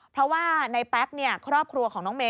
เพราะว่าในแป๊กครอบครัวของน้องเมย